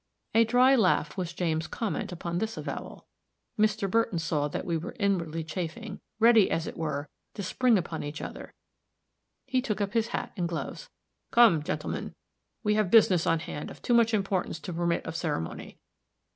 A dry laugh was James' comment upon this avowal. Mr. Burton saw that we were inwardly chafing, ready, as it were, to spring upon each other; he took up his hat and gloves. "Come, gentlemen, we have business on hand of too much importance to permit of ceremony.